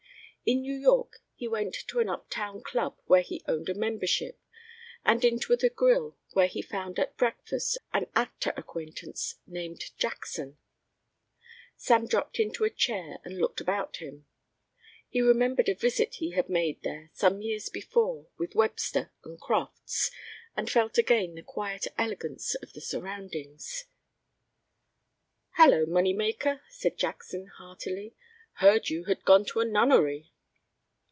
In New York he went to an uptown club where he owned a membership and into the grill where he found at breakfast an actor acquaintance named Jackson. Sam dropped into a chair and looked about him. He remembered a visit he had made there some years before with Webster and Crofts and felt again the quiet elegance of the surroundings. "Hello, Moneymaker," said Jackson, heartily. "Heard you had gone to a nunnery."